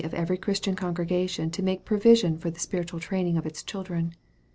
203 of every Christian congregation to make provision for the spiritual training of its children.